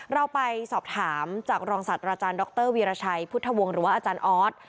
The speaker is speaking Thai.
เราไปสอบถามจากรองศาสตราจารย์ดรวีรชัยพุทธวงศ์หรือว่าอาจารย์ออส